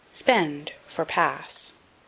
Spend for Pass.